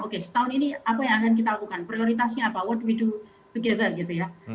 oke setahun ini apa yang akan kita lakukan prioritasnya apa what we do together